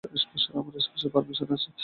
আমার special permission আছে।